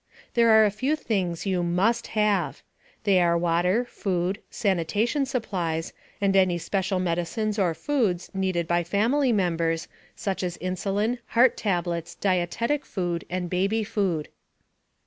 There are a few things you must have. They are water, food, sanitation supplies, and any special medicines or foods needed by family members such as insulin, heart tablets, dietetic food and baby food.